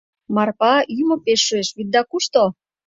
Марпа, йӱмӧ пеш шуэш, вӱдда кушто?